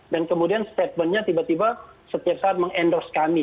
dan kemudian statementnya tiba tiba setiap saat meng endorse kami